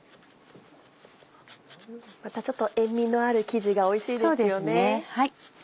またちょっと塩味のある生地がおいしいですよね。